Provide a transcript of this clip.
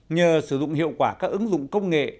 nhờ sử dụng hiệu quả các ứng dụng công nghệ